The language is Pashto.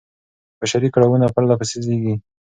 بشري کړاوونه پرله پسې زېږي.